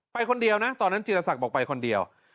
คนเดียวนะตอนนั้นจีรศักดิ์บอกไปคนเดียว